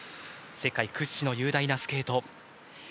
世界屈指の雄大なスケート。